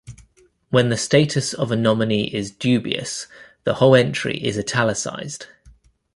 When the status of a nominee is dubious the whole entry is "italicized".